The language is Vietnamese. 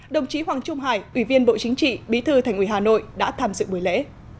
đồng chí hoàng trung hải ủy viên bộ chính trị bí thư thành ủy hà nội đã tham dự buổi lễ